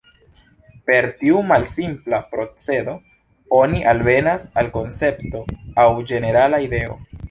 Per tiu malsimpla procedo, oni alvenas al koncepto aŭ ĝenerala ideo.